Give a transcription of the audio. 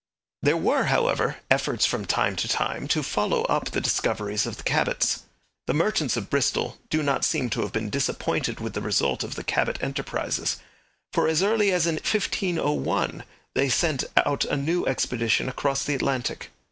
There were, however, efforts from time to time to follow up the discoveries of the Cabots. The merchants of Bristol do not seem to have been disappointed with the result of the Cabot enterprises, for as early as in 1501 they sent out a new expedition across the Atlantic.